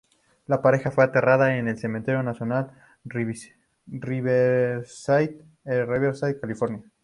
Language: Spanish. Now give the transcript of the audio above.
La pareja fue enterrada en el Cementerio Nacional Riverside, en Riverside, California.